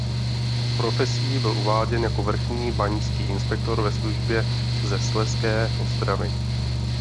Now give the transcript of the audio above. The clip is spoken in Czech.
Profesí byl uváděn jako vrchní báňský inspektor ve výslužbě ze Slezské Ostravy.